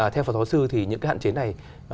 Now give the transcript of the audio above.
theo phó giáo sư thì những cái hạn chế này